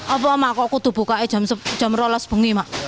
apa mak kok sudah buka ini jam rolas lagi mak